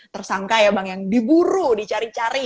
tersangka ya bang yang diburu dicari cari